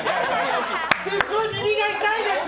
すっごく耳が痛いです！！